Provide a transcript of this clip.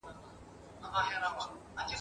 د وطن په قدر مساپر ښه پوهېږي `